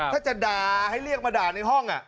ถ้าจะด่าให้เรียกมาด่าในห้อง